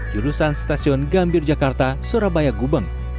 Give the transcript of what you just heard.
jurusan stasiun gambir jakarta surabaya gubeng